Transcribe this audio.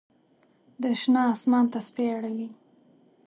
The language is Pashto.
د شنه آسمان تسپې اړوي